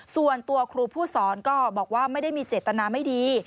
ส่วนตัวครูผู้สอนก็บอกว่าไม่ได้มีเจตนาไม่ดี